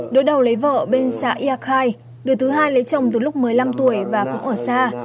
đối đầu lấy vợ bên xã yài đứa thứ hai lấy chồng từ lúc một mươi năm tuổi và cũng ở xa